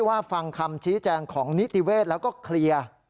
ว่าฟังคำชี้แจงของนิติเวศแล้วก็เคลียร์